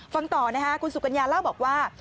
ฟังต่อนะคะคุณสุกัญญาเล่าบอกว่า